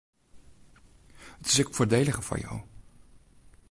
It is ek foardeliger foar jo.